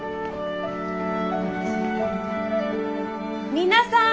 皆さん！